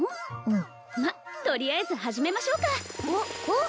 うんまっとりあえず始めましょうかおっおっ？